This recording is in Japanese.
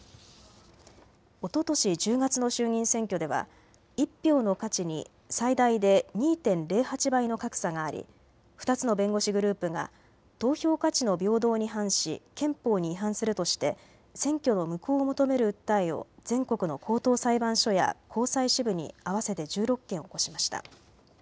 おととし１０月の衆議院選挙では１票の価値に最大で２．０８倍の格差があり２つの弁護士グループが投票価値の平等に反し憲法に違反するとして選挙の無効を求める訴えを全国の高等裁判所や高裁支部に合わせて１６件起こしました。